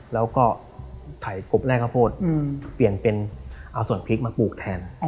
แล้วก็ถ่ายกบแร่กะโพดเอาส่วนพริกมาปลูกแทน